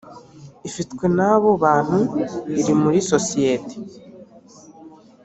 ifitwe n abo bantu iri muri sosiyete